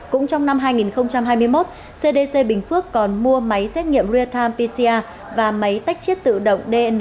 cũng trong năm hai nghìn hai mươi một cdc bình phước còn mua máy xét nghiệm real time pcr và máy tách chiết tự động dn